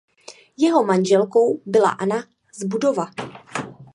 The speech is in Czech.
Jeho manželkou byla Anna z Budova.